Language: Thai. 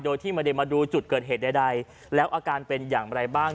โดยที่ไม่ได้มาดูจุดเกิดเหตุใดแล้วอาการเป็นอย่างไรบ้าง